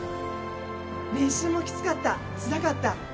練習もきつかった、つらかった。